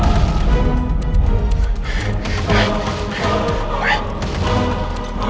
oke sampai lagi ya